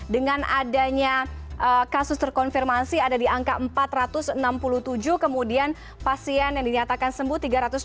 dengan adanya kasus terkonfirmasi ada di angka empat ratus enam puluh tujuh kemudian pasien yang dinyatakan sembuh tiga ratus empat puluh